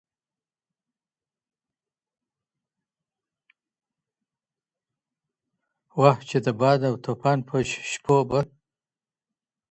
واه چې د باد او د توپان په شپو به